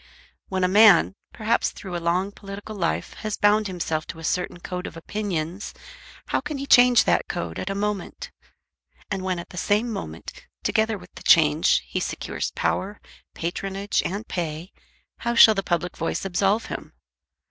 When a man, perhaps through a long political life, has bound himself to a certain code of opinions, how can he change that code at a moment? And when at the same moment, together with the change, he secures power, patronage, and pay, how shall the public voice absolve him?